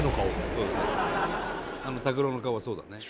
あの卓郎の顔はそうだね。